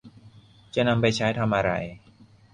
จะนำไปใช้ทำอะไร